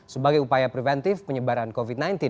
sebagai upaya preventif penyebaran covid sembilan belas